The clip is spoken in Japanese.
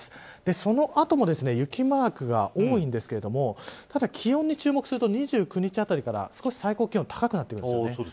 そのあとも雪マークが多いんですけれどもただ、気温に注目すると２９日あたりから少し最高気温高くなってきます。